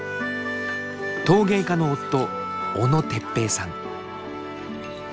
陶芸家の夫小野哲平さん。